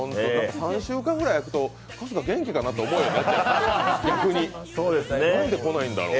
３週間ぐらいあくと春日元気かなと思うようになっちゃう。